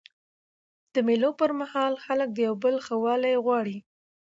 د مېلو پر مهال خلک د یو بل ښه والی غواړي.